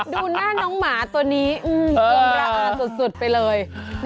ดูหน้าน้องหมาตัวนี้อืมร่างราอาสสุดไปเลย